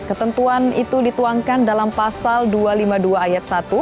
ketentuan itu dituangkan dalam pasal dua ratus lima puluh dua ayat satu